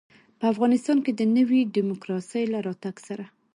په افغانستان کې د نوي ډيموکراسۍ له راتګ سره.